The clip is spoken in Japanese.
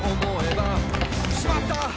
「しまった！